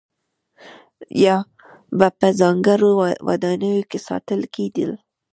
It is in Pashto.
یا به په ځانګړو ودانیو کې ساتل کېدل.